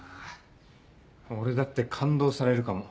俺だって勘当されるかも。